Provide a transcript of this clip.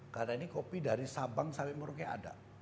karena ini kopi dari sabang sampai merauke ada